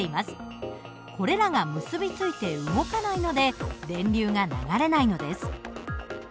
これらが結び付いて動かないので電流が流れないのです。